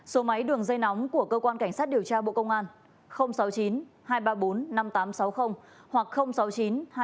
số máy đường dây nóng của cơ quan cảnh sát điều tra bộ công an sáu mươi chín hai trăm ba mươi bốn năm nghìn tám trăm sáu mươi hoặc sáu mươi chín hai trăm ba mươi hai một nghìn sáu trăm sáu mươi bảy